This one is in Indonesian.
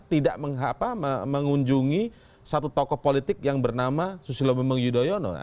tidak mengunjungi satu tokoh politik yang bernama susilo bambang yudhoyono